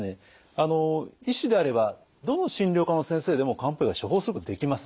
あの医師であればどの診療科の先生でも漢方薬は処方することができます。